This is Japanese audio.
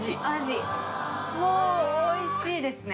もうおいしいですね。